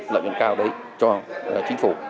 lợi nhuận cao đấy cho chính phủ